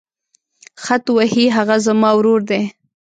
خط وهي هغه زما ورور دی.